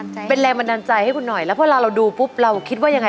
แล้วเป็นแรงบันดันใจให้คุณหน่อยนะคุณและพอเราดูปุ๊บเราคิดว่าอีกไง